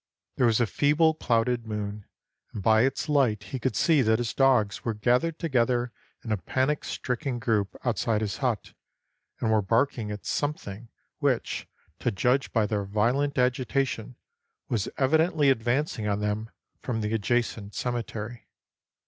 There was a feeble, clouded moon, and by its light he could see that his dogs were gathered together in a panic stricken group outside his hut, and were barking at Something which, to judge by their violent agitation, was evidently advancing on them from the adjacent cemetery.